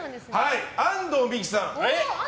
安藤美姫さん。